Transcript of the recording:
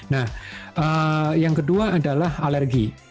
nah yang kedua adalah alergi